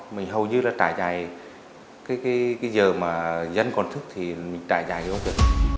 mình hầu như là trải dài cái giờ mà dân còn thức thì mình trải dài cho nó